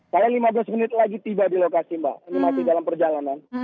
saya lima belas menit lagi tiba di lokasi mbak ini masih dalam perjalanan